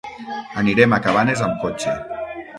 Anirem a Cabanes amb cotxe.